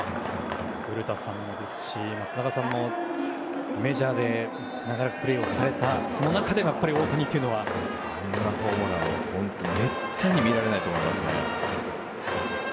古田さんもですし松坂さんも、メジャーで長らくプレーをされたその中でも大谷というのは。あんなホームランはめったに見られないと思います。